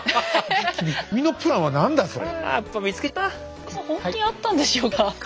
河合さん本当にあったんでしょうか？